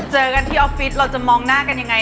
เจอกันที่ออฟฟิศเราจะมองหน้ากันยังไง